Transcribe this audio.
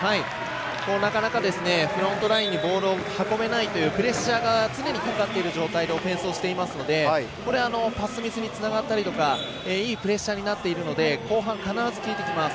なかなかフロントラインにボールを運べないというプレッシャーが常にかかっている状態でオフェンスをしているのでパスミスにつながったりとかいいプレッシャーになっているので後半、必ず効いてきます。